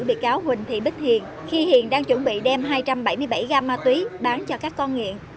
bị cáo huỳnh thị bích thiền khi hiện đang chuẩn bị đem hai trăm bảy mươi bảy gam ma túy bán cho các con nghiện